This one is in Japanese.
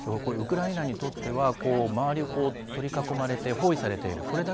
ウクライナにとっては周りを取り囲まれて包囲されている。